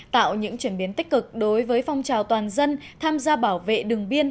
tạo những chuyển biến tích cực đối với phong trào toàn dân tham gia bảo vệ đường biên